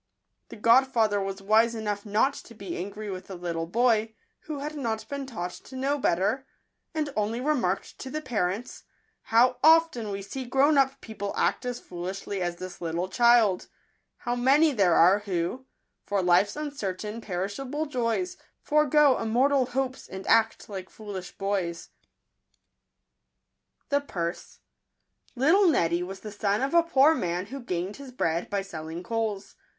The godfather was wise enough not to be angry with the little boy, who had not been taught to know better, and only re marked to the parents, " How often we see grown up people act as foolishly as this little child ! How many there are who, For life' 8 uncertain, perishable joys, Forego immortal hopes, and act like foolish boys." 60 Digitized by v^ooQle • Wf>t =Pura*. ^^g^ITTLE Neddy was the son of a poor man who gained his bread by selling coals.